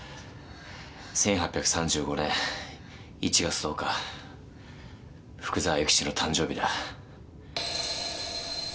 １８３５年１月１０日福沢諭吉の誕生日だ。